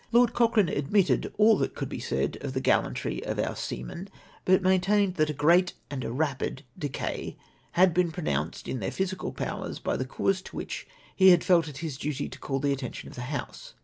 Lord Cociieane admitted all that could be said of the gallantry of our seamen; but maintained that a great and a rapid decay had been produced in their physical powers by the cause to which he had felt it his duty to call the attention of the House.